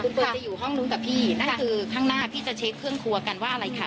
คุณเฟิร์นจะอยู่ห้องนู้นกับพี่นั่นคือข้างหน้าพี่จะเช็คเครื่องครัวกันว่าอะไรคะ